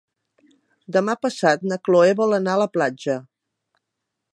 Demà passat na Chloé vol anar a la platja.